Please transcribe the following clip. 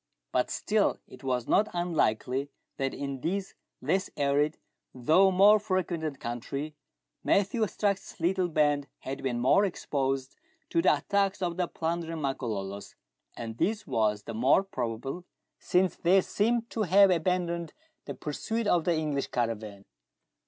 But still it was not unlikely that in this less arid, though more frequented country, Matthew Strux's little band had been more exposed to the attacks of the plundering Makololos, and this was the more probable, since they seemed to have abandoned the pursuit of the English caravan.